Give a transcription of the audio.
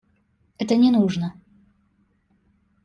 Это не нужно.